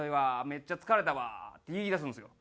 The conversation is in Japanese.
めっちゃ疲れたわ」って言いだすんですよ。